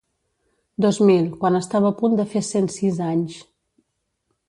Dos mil, quan estava a punt de fer cent sis anys.